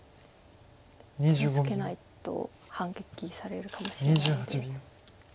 気を付けないと反撃されるかもしれないので。